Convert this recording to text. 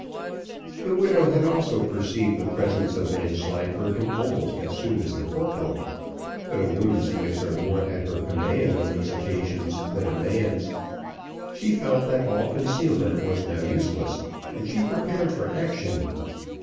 The widow had also perceived the presence of Vanslyperken almost as soon as the corporal, but a woman's wits are more at their command on these occasions than a man's. She felt that all concealment was now useless, and she prepared for action.